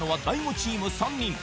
大悟チーム３人